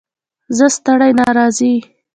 ـ زه ستړى ته ناراضي.